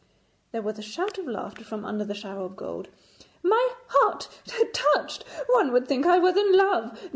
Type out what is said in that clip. There was a shout of laughter from under the shower of gold. 'My heart touched! One would think I was in love.